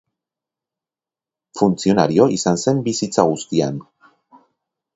Funtzionario izan zen bizitza guztian.